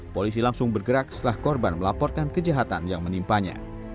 polisi langsung bergerak setelah korban melaporkan kejahatan yang menimpanya